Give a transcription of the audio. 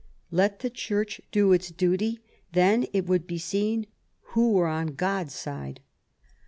Let the Church do its duty ; then it would be seen who were on God's side.